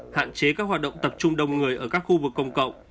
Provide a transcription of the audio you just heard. hạn chế các hoạt động tập trung đông người ở các khu vực công cộng